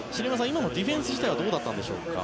今のディフェンス自体はどうだったんでしょうか。